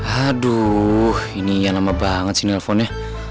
aduh ini ya lama banget sih nelfonnya